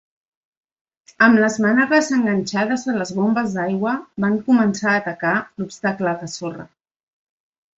Amb les mànegues enganxades a les bombes d'aigua, van començar a atacar l'obstacle de sorra.